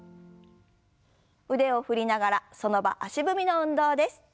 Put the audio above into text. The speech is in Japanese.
腕を振りながらその場足踏みの運動です。